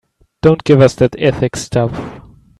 Don't give us that ethics stuff.